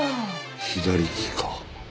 左利きか。